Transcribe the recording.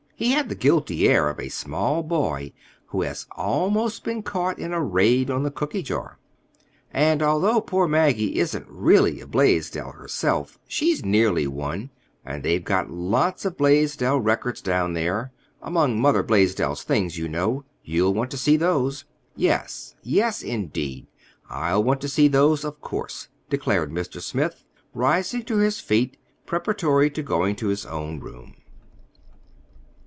He had the guilty air of a small boy who has almost been caught in a raid on the cooky jar. "And although poor Maggie isn't really a Blaisdell herself, she's nearly one; and they've got lots of Blaisdell records down there—among Mother Blaisdell's things, you know. You'll want to see those." "Yes; yes, indeed. I'll want to see those, of course," declared Mr. Smith, rising to his feet, preparatory to going to his own room.